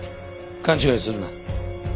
勘違いするな。